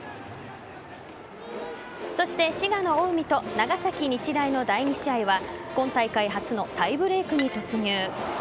そして、滋賀の近江と長崎日大の第２試合は今大会初のタイブレークに突入。